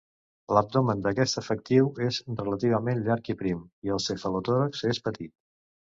L'abdomen d'aquest efectiu és relativament llarg i prim, i el cefalotòrax és petit.